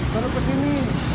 terus ke sini